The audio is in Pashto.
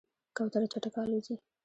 کوتره چټکه الوزي.